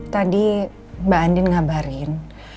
tadi mbak andin mengabarkan